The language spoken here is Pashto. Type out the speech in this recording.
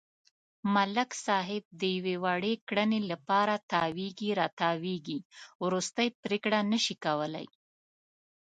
ملک صاحب د یوې وړې کړنې لپاره تاوېږي را تاووېږي، ورستۍ پرېکړه نشي کولای.